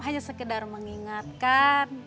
hanya sekedar mengingatkan